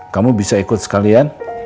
kamu bisa ikut sekalian